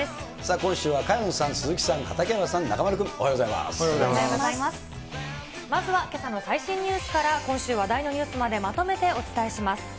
今週は、萱野さん、鈴木さん、畠山さん、中丸君、おはようござまずはけさの最新ニュースから、今週話題のニュースまでまとめてお伝えします。